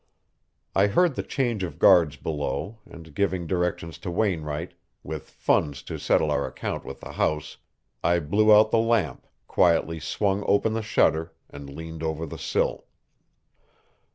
I heard the change of guards below, and, giving directions to Wainwright, with funds to settle our account with the house, I blew out the lamp, quietly swung open the shutter and leaned over the sill.